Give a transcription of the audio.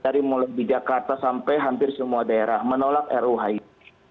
dari mulai di jakarta sampai hampir semua daerah menolak ruhi